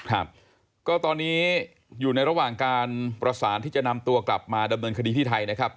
ครับก็ตอนนี้อยู่ในระหว่างการประสานที่จะนำตัวกลับมาดำเนินคดีที่ไทยนะครับ